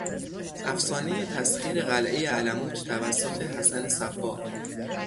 افسانهی تسخیر قلعهی الموت توسط حسن صباح